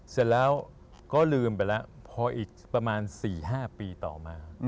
เสร็จแล้วก็ลืมไปแล้วพออีกประมาณ๔๕ปีต่อมา